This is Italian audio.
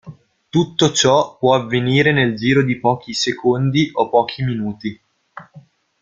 Tutto ciò può avvenire nel giro di pochi secondi o pochi minuti.